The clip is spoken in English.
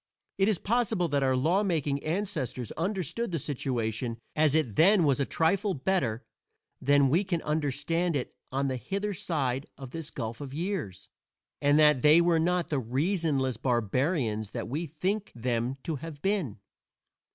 It is possible that our law making ancestors understood the situation as it then was a trifle better than we can understand it on the hither side of this gulf of years, and that they were not the reasonless barbarians that we think them to have been.